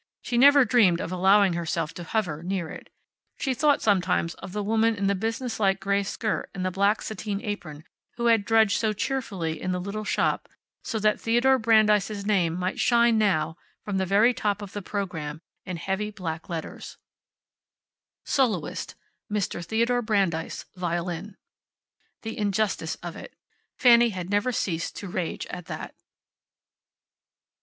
She never dreamed of allowing herself to hover near it. She thought sometimes of the woman in the businesslike gray skirt and the black sateen apron who had drudged so cheerfully in the little shop so that Theodore Brandeis' name might shine now from the very top of the program, in heavy black letters: Soloist: MR. THEODORE BRANDEIS, Violin The injustice of it. Fanny had never ceased to rage at that.